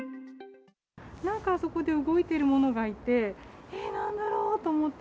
なんかそこで動いているものがいて、えっ、なんだろうと思って。